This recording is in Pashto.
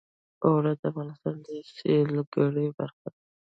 اوړي د افغانستان د سیلګرۍ برخه ده.